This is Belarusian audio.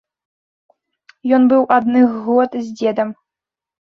Ён быў адных год з дзедам.